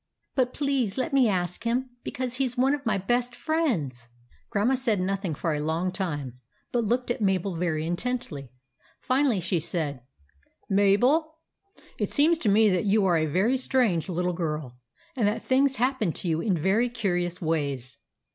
But please let me ask him, because he 's one of my best friends." THE ANIMAL PARTY 119 Grandma said nothing for a long time, but looked at Mabel very intently. Finally she said :—" Mabel, it seems to me that you are a very strange little girl, and that things hap pen to you in very curious ways.